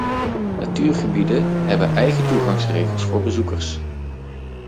Natuurgebieden hebben eigen toegangsregels voor bezoekers.